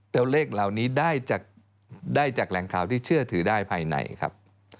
ตัวเลขเหล่านี้ได้จากแหล่งข่าวที่เชื่อถือได้ภายในครับ